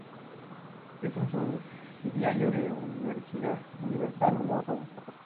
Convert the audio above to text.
Es un subsidiario de Universal Motown.